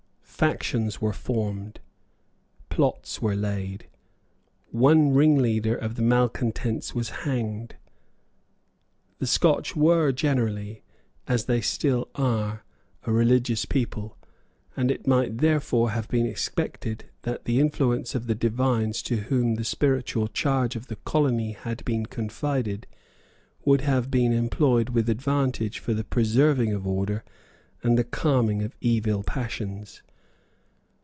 Factions were formed. Plots were laid. One ringleader of the malecontents was hanged. The Scotch were generally, as they still are, a religious people; and it might therefore have been expected that the influence of the divines to whom the spiritual charge of the colony had been confided would have been employed with advantage for the preserving of order and the calming of evil passions.